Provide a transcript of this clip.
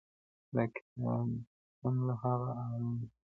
دا کتابتون له هغه ارام دی!.